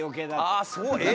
ああそうか。